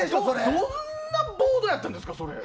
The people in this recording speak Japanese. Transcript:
どんなボードやったんですか？